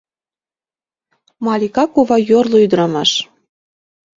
Малика кува — йорло ӱдырамаш.